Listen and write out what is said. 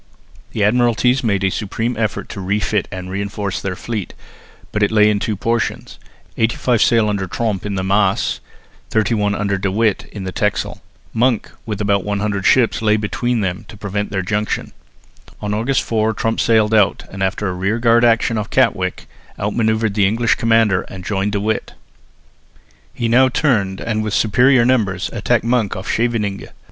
The Admiralties made a supreme effort to refit and reinforce their fleet, but it lay in two portions; eighty five sail under Tromp in the Maas, thirty one under De With in the Texel. Monk with about 100 ships lay between them to prevent their junction. On August 4 Tromp sailed out and, after a rearguard action off Katwijk, out manoeuvred the English commander and joined De With. He now turned and with superior numbers attacked Monk off Scheveningen.